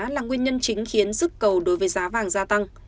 là nguyên nhân chính khiến sức cầu đối với giá vàng gia tăng